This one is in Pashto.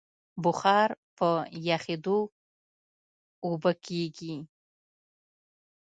بخار په یخېدو اوبه کېږي.